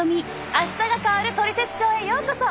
「あしたが変わるトリセツショー」へようこそ！